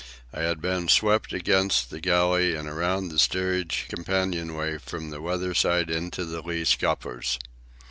I had been swept against the galley and around the steerage companion way from the weather side into the lee scuppers.